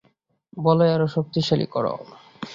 বলয় আরো শক্তিশালী করো!